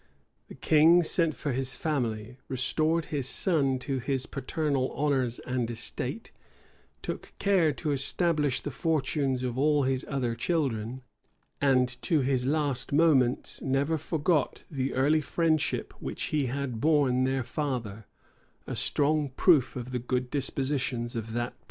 The king sent for his family, restored his son to his paternal honors and estate, took care to establish the fortunes of all his other children, and to his last moments never forgot the early friendship which he had borne their father; a strong proof of the good dispositions of that prince.